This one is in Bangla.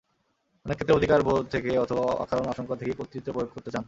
অনেক ক্ষেত্রে অধিকারবোধ থেকে অথবা অকারণ আশঙ্কা থেকে কর্তৃত্ব প্রয়োগ করতে চান।